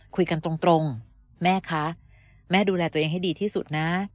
คุยกันตรงแม่คะแม่ดูแลตัวเองให้ดีที่สุดนะ